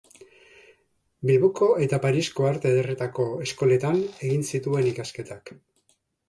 Bilboko eta Parisko Arte Ederretako Eskoletan egin zituen ikasketak.